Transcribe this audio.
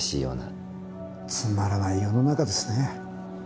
つまらない世の中ですね。